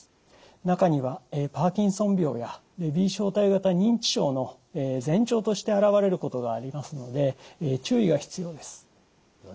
中にはパーキンソン病やレビー小体型認知症の前兆として現れることがありますので注意が必要です。